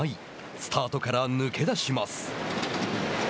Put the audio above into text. スタートから抜け出します。